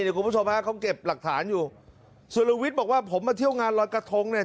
เดี๋ยวคุณผู้ชมฮะเขาเก็บหลักฐานอยู่สุรวิทย์บอกว่าผมมาเที่ยวงานรอยกระทงเนี่ย